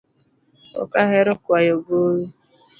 Ok ahero kwayo gowi